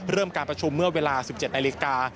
การประชุมเมื่อเวลา๑๗นาฬิกา